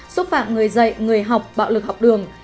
xúc phạm người dạy người học bạo lực học đường